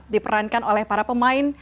diperankan oleh para pemain